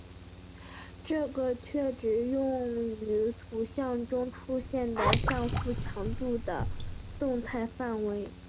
这个阈值用于图像中出现的像素强度的动态范围。